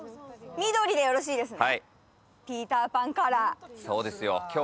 緑でよろしいですね。